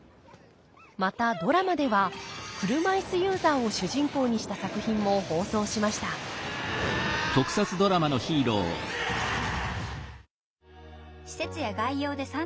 またドラマでは車いすユーザーを主人公にした作品も放送しました「施設や外洋で３年間」。